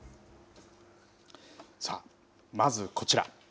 さあ、まずこちら。